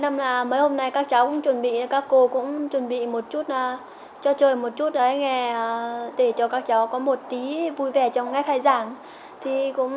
năm là mấy hôm nay các cháu cũng chuẩn bị các cô cũng chuẩn bị một chút cho chơi một chút để cho các cháu có một tí vui vẻ trong ngày khai giảng